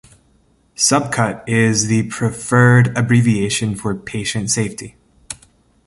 Subcut is the preferred abbreviation for patient safety.